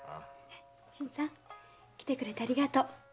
新さん来てくれてありがとう。